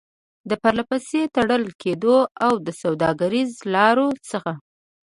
د پرلپسې تړل کېدو او د سوداګريزو لارو څخه